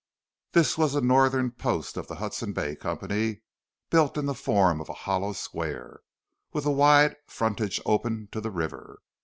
This was a northern post of the Hudson Bay Company, built in the form of a hollow square with a wide frontage open to the river.